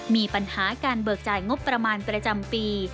มีปัญหาการเบิกจ่ายงบประมาณประจำปี